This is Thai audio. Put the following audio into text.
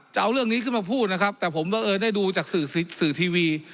จะเอาเรื่องนี้ขึ้นมาพูดนะครับแต่ผมเอ่ยได้ดูจากสื่อสื่อสื่อทีวี